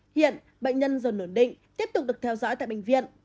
hiện bệnh nhân dần ổn định tiếp tục được theo dõi tại bệnh viện